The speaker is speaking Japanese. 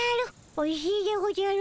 おいしいでおじゃる。